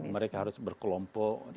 mereka harus berkelompok